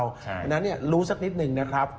เพราะฉะนั้นรู้สักนิดหนึ่งนะครับ